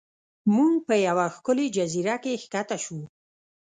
موږ په یوه ښکلې جزیره کې ښکته شو.